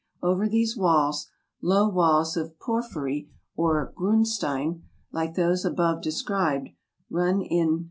Over these walls, — low walls of porphyry or griinstein,— like those above described, run in t MOVSr SINAI.